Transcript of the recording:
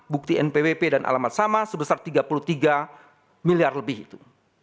bukti npwp dan alamat sama sebesar tiga puluh tiga miliar lebih itu